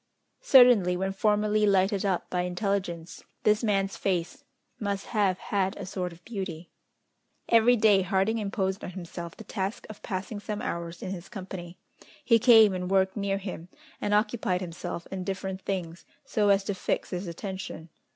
Certainly, when formerly lighted up by intelligence, this man's face must have had a sort of beauty. Every day, Harding imposed on himself the task of passing some hours in his company. He came and worked near him, and occupied himself in different things, so as to fix his attention.